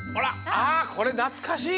あこれなつかしい！